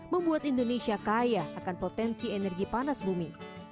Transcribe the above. membuat indonesia kaya akan potensi energi panas bumi